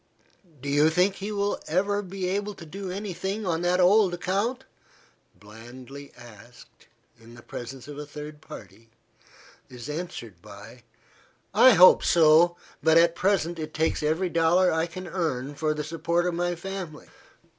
"Do you think you will ever be able to do any thing on that old account?" blandly asked, in the presence of a third party, is answered by, "I hope so. But, at present, it takes every dollar I can earn for the support of my family."